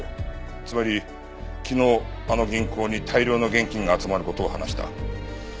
つまり昨日あの銀行に大量の現金が集まる事を話した。